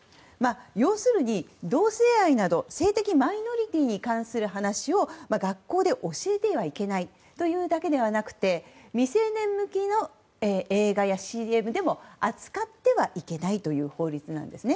要するに、同性愛など性的マイノリティーに関する話を学校で教えてはいけないというだけではなく未成年向けの映画やＣＭでも扱ってはいけないという法律なんです。